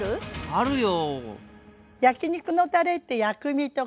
あるよ。